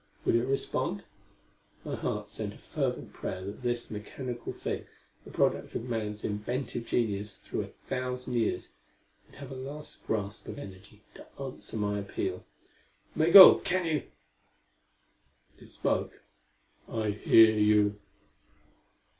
Would it respond? My heart sent a fervent prayer that this mechanical thing the product of man's inventive genius through a thousand years would have a last grasp of energy to answer my appeal. "Migul, can you " It spoke. "I hear you."